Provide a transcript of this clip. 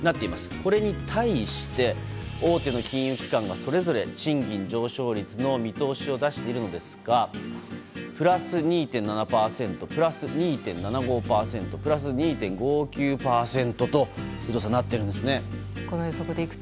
これに対して、大手の金融機関がそれぞれ賃上げ上昇率の見通しを出しているんですがプラス２．７％プラス２．７５％プラス２．５９％となっているんですね、有働さん。